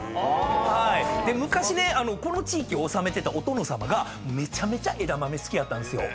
昔ねこの地域を治めてたお殿さまがめちゃめちゃ枝豆好きやったんですよ。